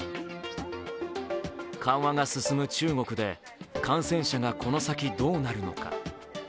緩和が進む中国で感染者がこの先どうなるのか。